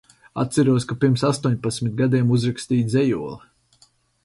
Atceros, ka pirms astoņpadsmit gadiem uzrakstīju dzejoli.